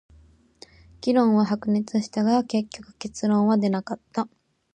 議論は白熱したが、結局結論は出なかった。